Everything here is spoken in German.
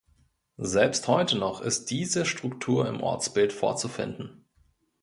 Selbst heute noch ist diese Struktur im Ortsbild vorzufinden.